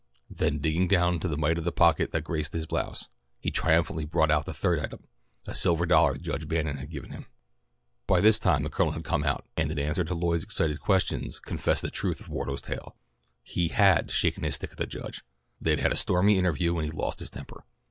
Then digging down into the mite of a pocket that graced his blouse, he triumphantly brought out the third item, a silver dollar that Judge Bannon had given him. By this time the Colonel had come out, and in answer to Lloyd's excited questions confessed the truth of Wardo's tale. He had shaken his stick at the Judge. They had had a stormy interview and he lost his temper.